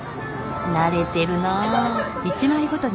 慣れてるなぁ。